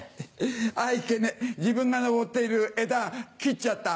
あっいけねぇ自分が上っている枝切っちゃった。